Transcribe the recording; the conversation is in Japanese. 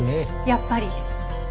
やっぱり。